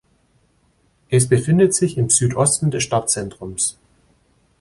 Es befindet sich im Süd-Osten des Stadtzentrums.